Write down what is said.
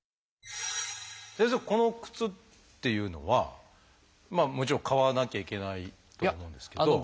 先生この靴っていうのはもちろん買わなきゃいけないと思うんですけど。